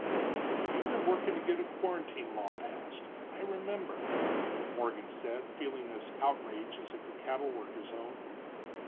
"You've been working to get a quarantine law passed, I remember," Morgan said, feeling this outrage as if the cattle were his own.